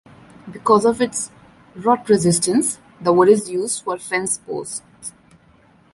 Because of its rot resistance, the wood is used for fence posts.